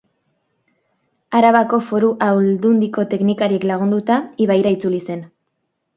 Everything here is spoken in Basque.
Arabako Foru Aldundiko teknikariek lagunduta, ibaira itzuli zen.